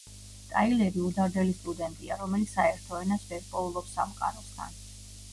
ტაილერი უდარდელი სტუდენტია, რომელიც საერთო ენას ვერ პოულობს სამყაროსთან.